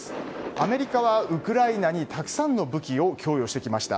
アメリカはウクライナにたくさんの武器を供与してきました。